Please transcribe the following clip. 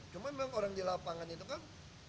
cuma memang orang di lapangan itu kan